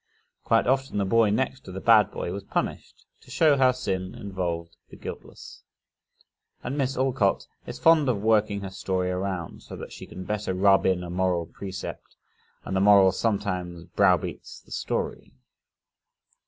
Quite often the boy next to the bad boy was punished, to show how sin involved the guiltless. And Miss Alcott is fond of working her story around, so that she can better rub in a moral precept and the moral sometimes browbeats the story.